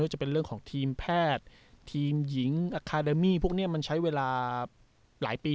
ว่าจะเป็นเรื่องของทีมแพทย์ทีมหญิงพวกเนี้ยมันใช้เวลาหลายปี